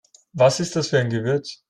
Was ist das für ein Gewürz?